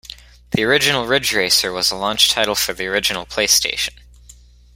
The original "Ridge Racer" was a launch title for the original PlayStation.